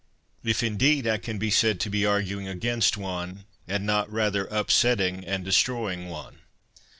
if, indeed, I can be said to be arguing against one, and not rather upsetting and destroying one.